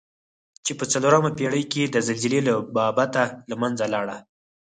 چې په څلورمه پېړۍ کې د زلزلې له بابته له منځه لاړه.